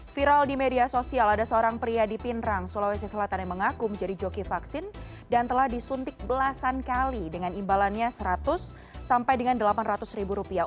viral di media sosial ada seorang pria di pindrang sulawesi selatan yang mengaku menjadi joki vaksin dan telah disuntik belasan kali dengan imbalannya seratus sampai dengan delapan ratus ribu rupiah